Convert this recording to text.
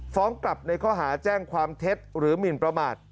ฟ้องกลับในข้อหาแจ้งความเท็จหรือหมินประมาท